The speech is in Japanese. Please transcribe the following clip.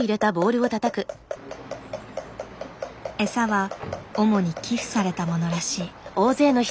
エサは主に寄付されたものらしい。